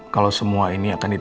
kalau semua ini akan di